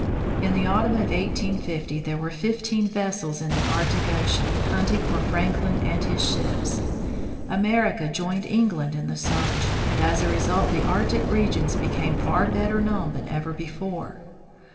In the autumn of 1850 there were fifteen vessels in the Arctic ocean, hunting for Franklin and his ships. America joined England in the search, and as a result the Arctic regions became far better known than ever before.